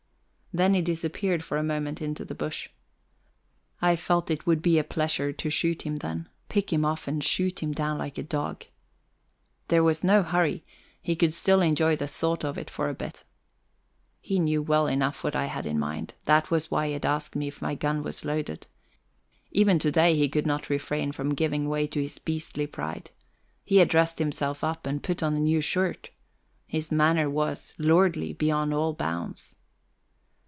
Then he disappeared a moment into the bush. I felt it would be a pleasure to shoot him then pick him off and shoot him down like a dog. There was no hurry; he could still enjoy the thought of it for a bit. He knew well enough what I had in mind: that was why he had asked if my gun were loaded. Even to day he could not refrain from giving way to his beastly pride. He had dressed himself up and put on a new shirt; his manner was, lordly beyond all bounds.